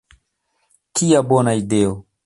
Kia bona ideo!